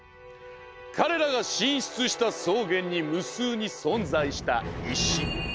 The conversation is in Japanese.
彼らが進出した草原に無数に存在した石。